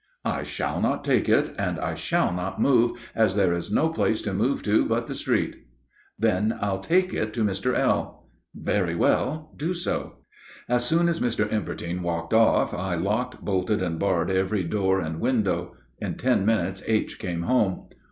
"I shall not take it, and I shall not move, as there is no place to move to but the street." "Then I'll take it to Mr. L." "Very well; do so." As soon as Mr. Impertine walked off, I locked, bolted, and barred every door and window. In ten minutes H. came home.